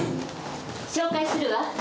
紹介するわ。